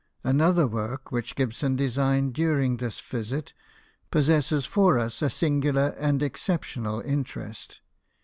Another work which Gibson designed during this visit possesses for us a singular and ex ceptional interest.